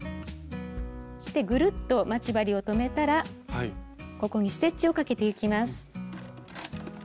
ぐるっと待ち針を留めたらここにステッチをかけてゆきます。